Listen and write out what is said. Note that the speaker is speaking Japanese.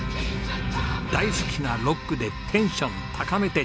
大好きなロックでテンション高めて１５分。